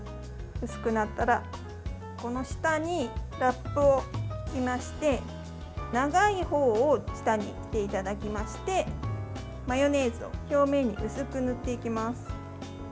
薄くなったらこの下にラップを敷きまして長い方を下にしていただきましてマヨネーズを表面に薄く塗っていきます。